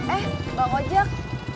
eh bang ojak